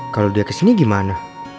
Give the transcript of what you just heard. kalau dia kesini gimana